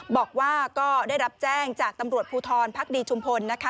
บอกว่าก็ได้รับแจ้งจากตำรวจภูทรภักดีชุมพลนะคะ